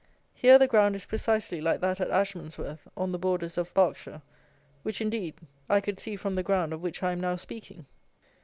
Here the ground is precisely like that at Ashmansworth on the borders of Berkshire, which, indeed, I could see from the ground of which I am now speaking.